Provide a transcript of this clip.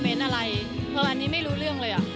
เพราะว่าอันนี้ไม่รู้เรื่องเลย